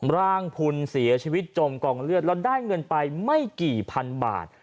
ร่างพุนเสียชีวิตจมกองเลือดแล้วได้เงินไปไม่กี่พันบาท